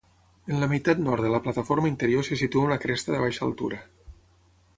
En la meitat nord de la plataforma interior se situa una cresta de baixa altura.